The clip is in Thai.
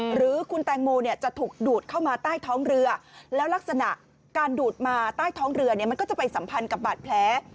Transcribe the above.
หรือคุณแตงโมเนี่ยจะถูกดูดเข้ามาใต้ท้องเรือแล้วลักษณะการดูดมาใต้ท้องเรือเนี่ยมันก็จะไปสัมพันธ์กับบาดแผล